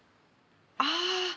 ああ。